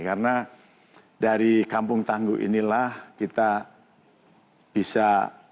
karena dari kampung tangguh inilah kita bisa